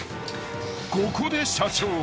［ここで社長は］